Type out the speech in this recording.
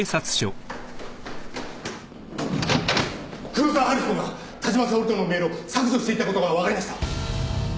黒沢春彦が田島沙織とのメールを削除していたことが分かりました。